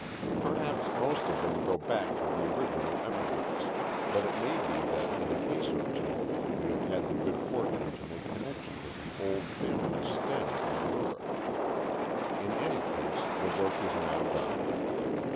Perhaps most of them go back to the original emigrants, but it may be that in a case or two we have had the good fortune to make connection with an old family stem in Europe. In any case, the work is now done.